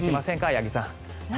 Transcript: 八木さん。